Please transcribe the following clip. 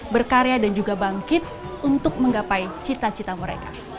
berkarya dan juga bangkit untuk menggapai cita cita mereka